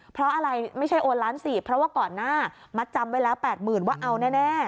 เพราะอะไรไม่ใช่โอนล้านสี่เพราะว่าก่อนหน้ามัดจำไว้แล้ว๘๐๐๐ว่าเอาแน่